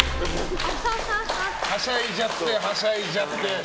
はしゃいじゃってはしゃいじゃって。